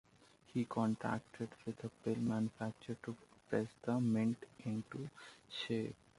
He contracted with a pill manufacturer to press the mints into shape.